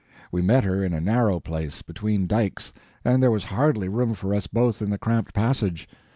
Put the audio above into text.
We met her in a narrow place, between dikes, and there was hardly room for us both in the cramped passage.